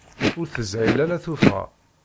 Ur teshil ara tuffɣa.